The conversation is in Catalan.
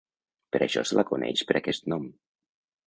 Per això se la coneix per aquest nom.